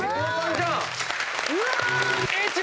うわ！